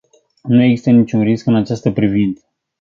Nu există niciun risc în această privință.